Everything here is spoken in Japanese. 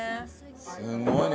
すごいね。